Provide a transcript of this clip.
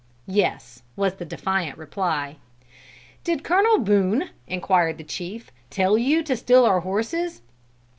"'Yes,' was the defiant reply. "'Did Colonel Boone,' inquired the chief, 'tell you to steal our horses?'